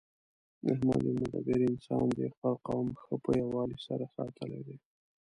احمد یو مدبر انسان دی. خپل قوم ښه په یووالي سره ساتلی دی